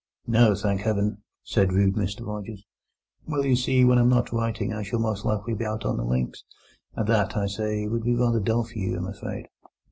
"No, thank Heaven!" said rude Mr Rogers. "Well, you see, when I'm not writing I shall most likely be out on the links, and that, as I say, would be rather dull for you, I'm afraid."